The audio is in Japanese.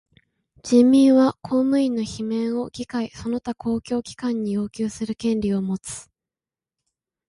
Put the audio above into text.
人民は公務員の罷免を議会その他の公共機関に要求する権利をもつ。